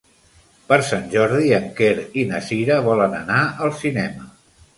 Per Sant Jordi en Quer i na Cira volen anar al cinema.